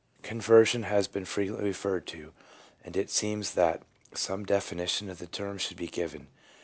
Conversion has been frequently referred to, and it seems that some definition of the term should be given.